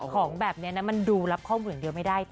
ของแบบนี้นะมันดูรับข้อมูลอย่างเดียวไม่ได้